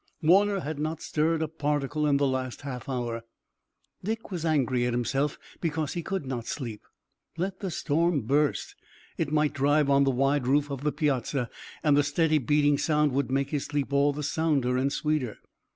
Warner had not stirred a particle in the last half hour. Dick was angry at himself because he could not sleep. Let the storm burst! It might drive on the wide roof of the piazza and the steady beating sound would make his sleep all the sounder and sweeter.